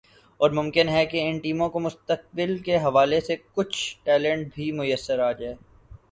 اور ممکن ہے کہ ان ٹیموں کو مستقبل کے حوالے سے کچھ ٹیلنٹ بھی میسر آجائے